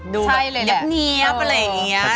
ดูแบบเหนียบอะไรอย่างนี้